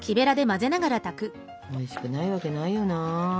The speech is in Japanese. おいしくないわけないよな。